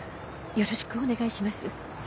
よろしくお願いします。